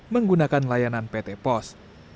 menggunakan layanan pt pos